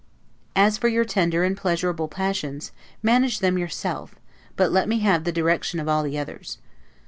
As for your tender and pleasurable passions, manage them yourself; but let me have the direction of all the others.